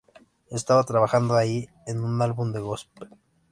Estaba trabajando ahí en un álbum de gospel.